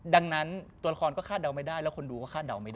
ดังนั้นตัวละครก็คาดเดาไม่ได้แล้วคนดูก็คาดเดาไม่ได้